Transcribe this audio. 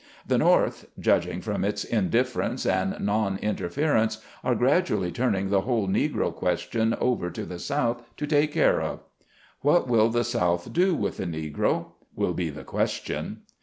The North — judging from its indifference and non interference — are gradually turning the whole " Negro question " over to the South to take care of. What will the South do with the Negro ? will be the question.